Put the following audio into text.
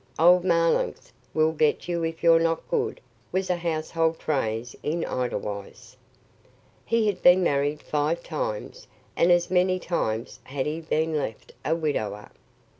"Old Marlanx will get you if you're not good," was a household phrase in Edelweiss. He had been married five times and as many times had he been left a widower.